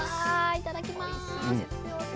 いただきます。